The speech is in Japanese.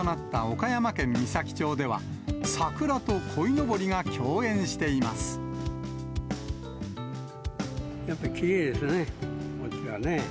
岡山県美咲町では、やっぱりきれいですね、こちらね。